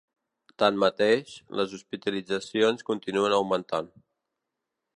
Tanmateix, les hospitalitzacions continuen augmentant.